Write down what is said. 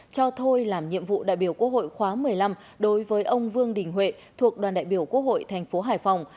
cho thôi làm nhiệm vụ đại biểu quốc hội khóa một mươi năm đối với ông vương đình huệ thuộc đoàn đại biểu quốc hội thành phố hải phòng